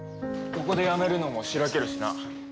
ここでやめるのもしらけるしな。